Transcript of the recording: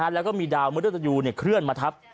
แล้วก็มีดาวเมื่อเดือดอยู่คลื่นมาทับ